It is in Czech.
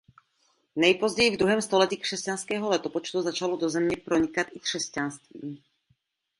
Nejpozději v druhém století křesťanského letopočtu začalo do země pronikat i křesťanství.